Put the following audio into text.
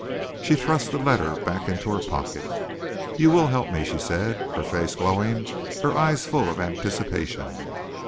She thrust the letter back into her pocket. "You will help me," she said, her face glowing, her eyes full of anticipation.